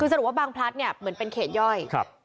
คือสรุปว่าบางพลัดเนี่ยเหมือนเป็นเขตย่อย